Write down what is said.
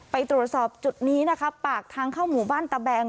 ไปตรวจสอบจุดนี้นะคะปากทางเข้าหมู่บ้านตะแบง